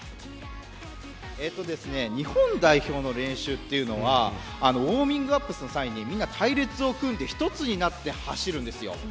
日本代表の練習というのはウオーミングアップの際に隊列を組んで一つになって走るんです。